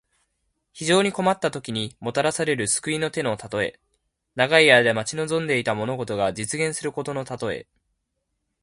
非常に困ったときに、もたらされる救いの手のたとえ。長い間待ち望んでいた物事が実現することのたとえ。